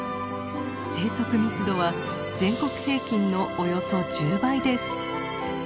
生息密度は全国平均のおよそ１０倍です。